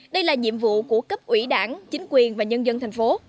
đây là nhiệm vụ của cấp ủy đảng chính quyền và nhân dân thành phố